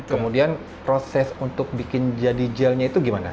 kemudian proses untuk bikin jadi gelnya itu gimana